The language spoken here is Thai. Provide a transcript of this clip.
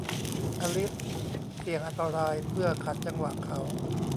อลิซเสี่ยงอันตรายเพื่อขัดจังหวะเขา